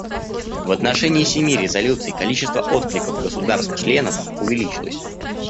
В отношении семи резолюций количество откликов государств-членов увеличилось.